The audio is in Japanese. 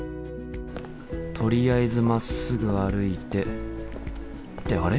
とりあえずまっすぐ歩いてってあれ？